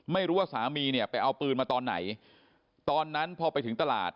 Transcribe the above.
ไม่รู้ว่าสามีเนี่ยไปเอาปืนมาตอนไหนตอนนั้นพอไปถึงตลาด